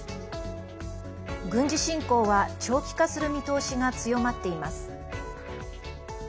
軍事侵攻は長期化する見通しが強まっています。